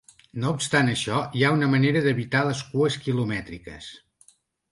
No obstant això, hi ha una manera d’evitar les cues quilomètriques.